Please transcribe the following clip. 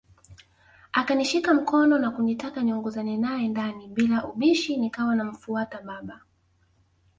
Akanishika mkono na kunitaka niongozane nae ndani bila ubishi nikawa namfuata baba